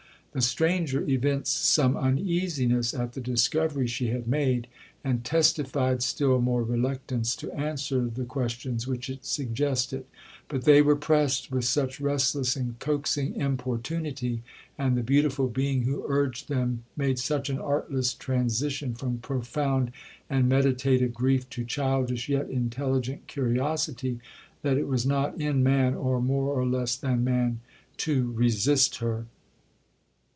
The stranger evinced some uneasiness at the discovery she had made, and testified still more reluctance to answer the questions which it suggested; but they were pressed with such restless and coaxing importunity, and the beautiful being who urged them made such an artless transition from profound and meditative grief to childish, yet intelligent curiosity, that it was not in man, or more or less than man, to resist her.